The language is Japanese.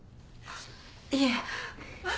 いえ。